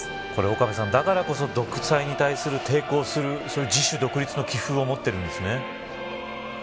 岡部さん、だからこそ独裁に対する、抵抗する自主独立の気風を持っているんですね。